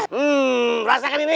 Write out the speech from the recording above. hmm rasakan ini